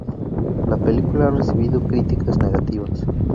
La película ha recibido críticas negativas.